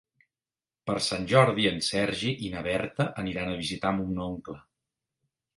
Per Sant Jordi en Sergi i na Berta aniran a visitar mon oncle.